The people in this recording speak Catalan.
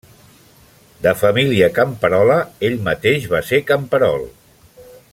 De família camperola, ell mateix va ser camperol.